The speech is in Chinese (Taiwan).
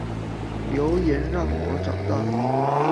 留言讓我找到你